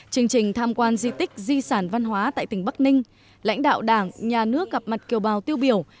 chương trình tham quan di tích di sản văn hóa tại tỉnh bắc ninh lãnh đạo đảng nhà nước gặp mặt kiều bào tiêu biểu